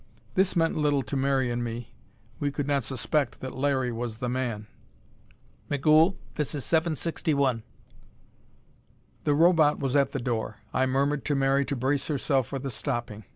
This meant little to Mary and me; we could not suspect that Larry was the man. "Migul, this is 761." The Robot was at the door. I murmured to Mary to brace herself for the stopping.